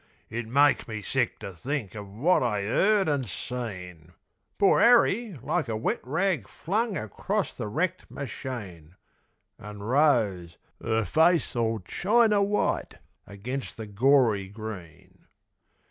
It makes me sick to think Of what I 'eard an' seen; Poor 'Arry like a wet rag flung Across the wrecked machine; An' Rose, 'er far all chiner white Against the gory green.